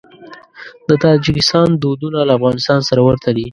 د تاجکستان دودونه له افغانستان سره ورته دي.